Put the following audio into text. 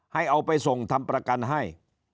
เอาไปส่งทำประกันให้